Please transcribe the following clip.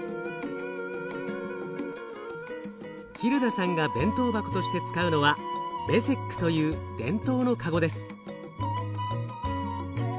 ヒルダさんが弁当箱として使うのはベセックという伝統のかごです。